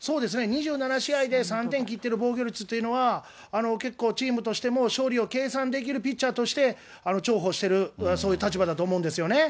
２７試合で３点切ってる防御率というのは、結構、チームとしても勝利を計算できるピッチャーとして、重宝してる、そういう立場だと思うんですよね。